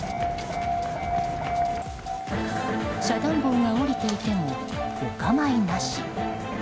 遮断棒が下りていてもお構いなし。